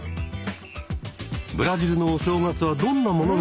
ブラジルのお正月はどんなものなのか。